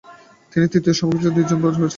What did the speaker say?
তিনি তৃতীয় সা-স্ক্যা-খ্রি-'দ্জিন নির্বাচিত হন।